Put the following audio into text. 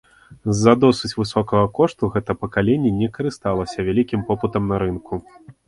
З-за досыць высокага кошту гэта пакаленне не карысталася вялікім попытам на рынку.